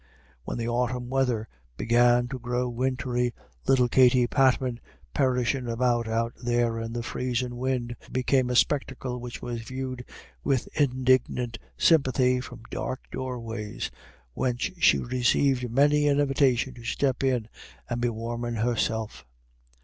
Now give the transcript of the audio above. When the autumn weather began to grow wintry, little Katty Patman, "perishin' about out there in the freezin' win'," became a spectacle which was viewed with indignant sympathy from dark doorways whence she received many an invitation to step in and be warmin' herself.